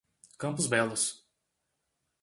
Campos Belos